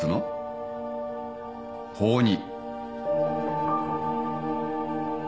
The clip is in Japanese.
法に。